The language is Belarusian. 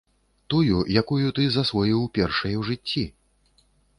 Тую, якую ты засвоіў першай у жыцці?